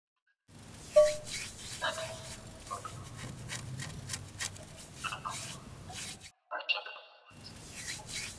Dalili nyingine ya homa ya mapafu ni mnyama ni mnyama kutiririsha makamasi